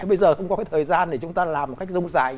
bây giờ không có cái thời gian để chúng ta làm một cách dông dài